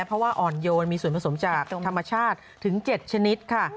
เพราะว่าอ่อนโยนมีส่วนผสมจากธรรมชาติถึง๗ชนิดค่ะ